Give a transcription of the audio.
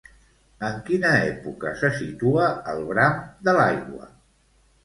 En quina època se situa El bram de l'aigua?